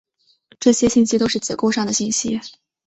这些信息都是结构上的信息。